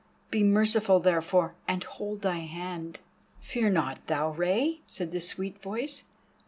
Be merciful therefore, and hold thy hand." "Fear not thou, Rei," said the sweet voice.